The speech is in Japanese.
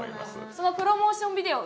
そのプロモーションビデオ